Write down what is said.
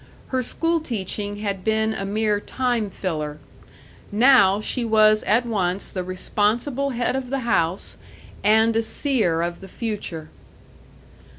Her school teaching had been a mere time filler. Now she was at once the responsible head of the house and a seer of the future.